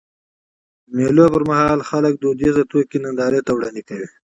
د مېلو پر مهال خلک دودیزي توکي نندارې ته وړاندي کوي.